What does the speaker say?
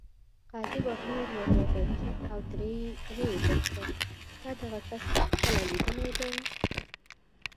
قاضي بهلول ور وغوښت او ترې ویې پوښتل: تا دغه کس کله لیدلی دی.